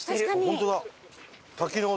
本当だ。